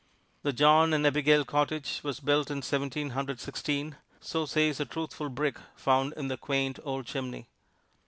The John and Abigail cottage was built in Seventeen Hundred Sixteen, so says a truthful brick found in the quaint old chimney.